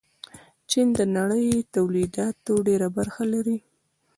چین د نړۍ تولیداتو ډېره برخه لري.